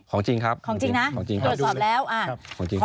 ของจริงครับของจริงนะของจริงครับ